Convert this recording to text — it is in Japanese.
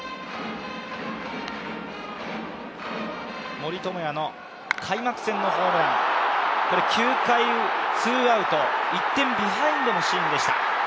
森友哉の開幕戦のホームラン、９回ツーアウト、１点ビハインドのシーンでした。